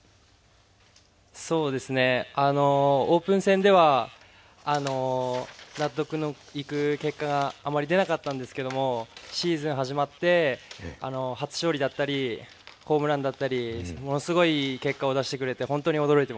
そうですねオープン戦では納得のいく結果があまり出なかったんですけどもシーズン始まって初勝利だったりホームランだったりものすごい結果を出してくれて本当に驚いてます。